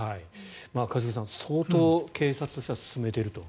一茂さん相当警察としては進めていると。